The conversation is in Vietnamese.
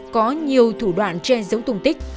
có nhiều thủ đoạn che giống tung tích